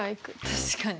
確かに。